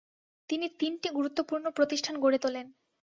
তিনি তিনটি গুরুত্বপূর্ণ প্রতিষ্ঠান গড়ে তোলেন।